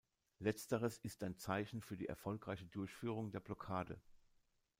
Letzteres ist ein Zeichen für die erfolgreiche Durchführung der Blockade.